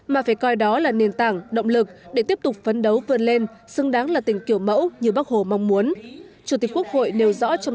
mà phải coi đó là nền tảng động lực để tiếp tục phấn đấu vươn lên xứng đáng là tỉnh kiểu mẫu như bắc hồ mong muốn